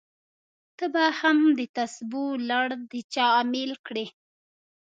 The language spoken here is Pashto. ته به هم دتسبو لړ د چا امېل کړې!